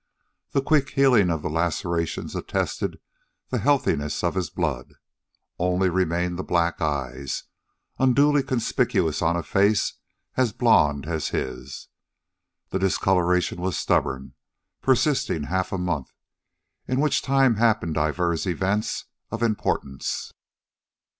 The quick healing of the lacerations attested the healthiness of his blood. Only remained the black eyes, unduly conspicuous on a face as blond as his. The discoloration was stubborn, persisting half a month, in which time happened divers events of importance.